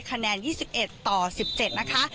คะแนน๒๑ต่อ๑๗นะคะ